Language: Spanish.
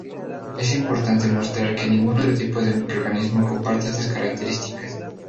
Es importante mostrar que ningún otro tipo de microorganismo comparte estas características.